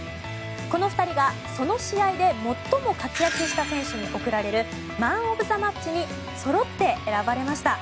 この２人が、その試合で最も活躍した選手に贈られるマン・オブ・ザ・マッチにそろって選ばれました。